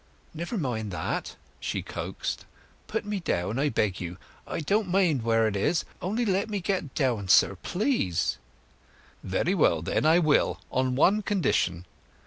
"Never mind that," she coaxed. "Put me down, I beg you. I don't mind where it is; only let me get down, sir, please!" "Very well, then, I will—on one condition.